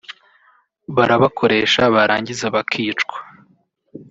barabakoresha barangiza bakicwa